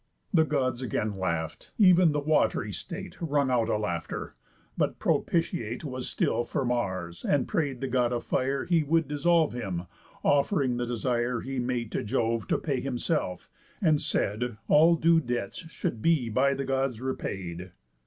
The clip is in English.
The Gods again laugh'd; even the Watery State Wrung out a laughter, but propitiate Was still for Mars, and pray'd the God of Fire He would dissolve him, off'ring the desire He made to Jove to pay himself, and said, All due debts should be by the Gods repaid.